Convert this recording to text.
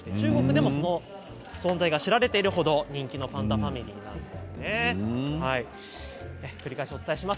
中国でもこの存在が知られている程、人気のパンダファミリーです。